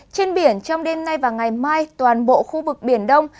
trên biển trong đêm nay và ngày mai toàn bộ khu vực biển đông